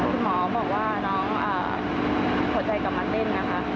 คุณหมอบอกว่าน้องหัวใจกลับมาเล่นนะคะ